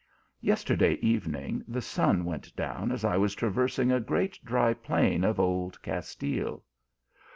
Yesterday evening the sun went down as I was traversing a great dry plain of old Castile."